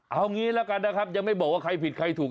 เอางี้แล้วกันนะครับยังไม่บอกว่าใครผิดใครถูก